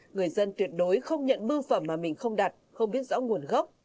người dân tuyệt đối không nhận bưu phẩm mà mình không đặt không biết rõ nguồn gốc